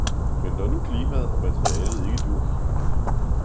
Men når nu klimaet og materialet ikke dur!